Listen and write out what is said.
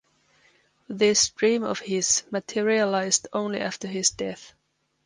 This dream of his materialized only after his death.